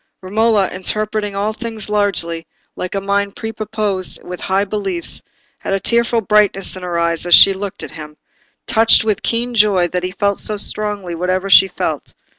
Romola, interpreting all things largely, like a mind prepossessed with high beliefs, had a tearful brightness in her eyes as she looked at him, touched with keen joy that he felt so strongly whatever she felt.